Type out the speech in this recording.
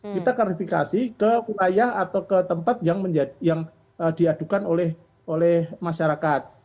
kita klarifikasi ke wilayah atau ke tempat yang diadukan oleh masyarakat